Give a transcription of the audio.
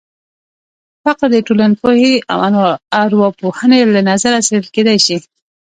فقر د ټولنپوهنې او ارواپوهنې له نظره څېړل کېدای شي.